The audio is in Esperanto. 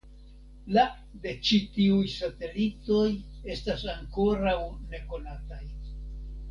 La de ĉi tiuj satelitoj estas ankoraŭ nekonataj.